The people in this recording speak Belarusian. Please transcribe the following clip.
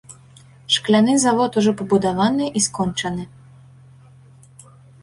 Шкляны завод ужо пабудаваны і скончаны.